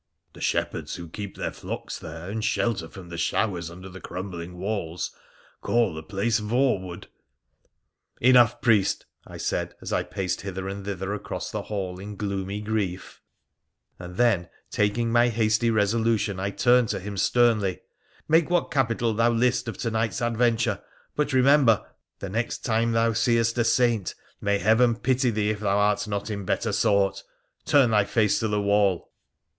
The shepherds who keep their flocks there and shelter from the showers under the crumbling walls call the place Voewood.' 'Enough, priest,' I said, as I paced hither and thither across the hall in gloomy grief, and then taking my hasty resolution I turned to him sternly —' Make what capital thou list of to night's adventure, but remember the next time thou seest a saint may Heaven pity thee if thou art not in better sort — turn thy face to the wall